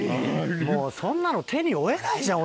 もうそんなの手に負えないじゃん